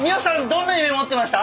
どんな夢持ってました？